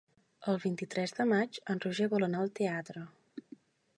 El vint-i-tres de maig en Roger vol anar al teatre.